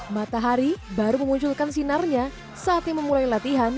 matahari baru memunculkan sinarnya saatnya memulai latihan